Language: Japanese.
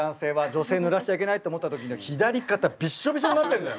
女性ぬらしちゃいけないと思った時に左肩ビッショビショになってるんだよ。